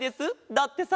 だってさ。